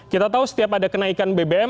kita tahu setiap ada kenaikan bbm